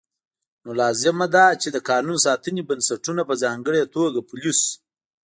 نو لازمه ده چې د قانون ساتنې بنسټونه په ځانګړې توګه پولیس